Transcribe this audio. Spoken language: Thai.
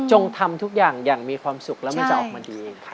ทำทุกอย่างอย่างมีความสุขแล้วมันจะออกมาดี